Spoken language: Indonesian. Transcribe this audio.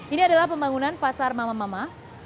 ini adalah pembangunan pasar mama mama